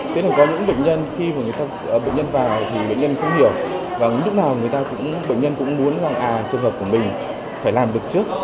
tuy nhiên là có những bệnh nhân khi bệnh nhân vào thì bệnh nhân không hiểu và lúc nào bệnh nhân cũng muốn là trường hợp của mình phải làm được trước